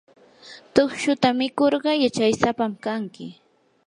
tukshuta mikurqa yachaysapam kanki.